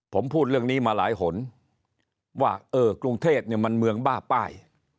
ผมพูดเรื่องนี้มาหลายหนว่าเออกรุงเทพเนี่ยมันเมืองบ้าป้าย